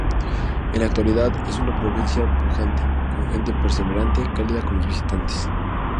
En la actualidad es una provincia pujante, con gente perseverante, cálida con los visitantes.